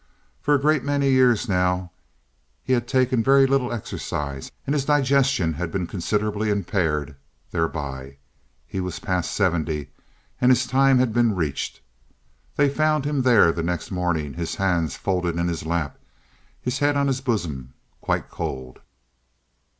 For a great many years now he had taken very little exercise, and his digestion had been considerably impaired thereby. He was past seventy, and his time had been reached. They found him there the next morning, his hands folded in his lap, his head on his bosom, quite cold.